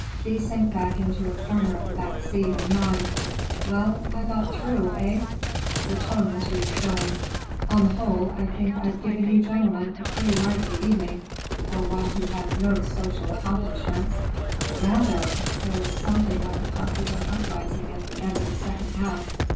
Thea sank back into a corner of the back seat and yawned. "Well, I got through, eh?" Her tone was reassuring. "On the whole, I think I've given you gentlemen a pretty lively evening, for one who has no social accomplishments." "Rather! There was something like a popular uprising at the end of the second act.